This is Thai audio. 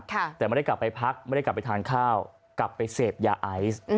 แต่ไม่ได้กลับไปพักไม่ได้กลับไปทานข้าวกลับไปเสพยาไอซ์